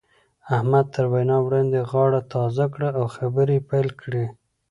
احمد تر وينا وړاندې غاړه تازه کړه او خبرې يې پيل کړې.